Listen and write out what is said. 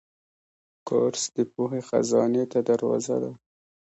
کورس د پوهې خزانې ته دروازه ده.